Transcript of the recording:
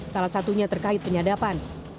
salah satunya terkait penyadapan